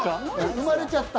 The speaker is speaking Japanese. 生まれちゃった。